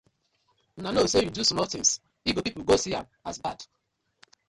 Una kno say yu do small tins e go pipu go see am as bad.